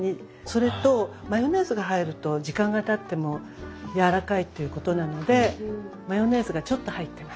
それとマヨネーズが入ると時間がたってもやわらかいっていうことなのでマヨネーズがちょっと入ってます。